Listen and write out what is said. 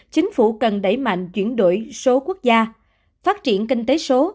chính phủ cần đẩy mạnh chuyển đổi số quốc gia phát triển kinh tế số